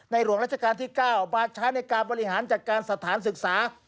หลวงราชการที่๙มาใช้ในการบริหารจัดการสถานศึกษา